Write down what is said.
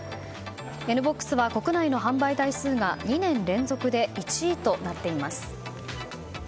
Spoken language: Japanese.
Ｎ‐ＢＯＸは国内の販売台数が２年連続で１位となっています。